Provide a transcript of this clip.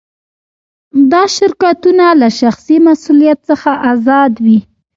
دا شرکتونه له شخصي مسوولیت څخه آزاد وي.